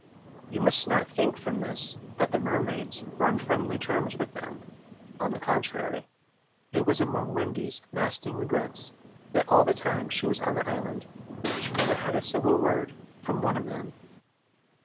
You must not think from this that the mermaids were on friendly terms with them: on the contrary, it was among Wendy's lasting regrets that all the time she was on the island she never had a civil word from one of them.